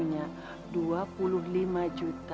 nggak ada lagi yang aja kita